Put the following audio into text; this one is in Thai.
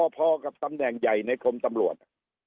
พอกับตำแหน่งใหญ่ในคมตำรวจ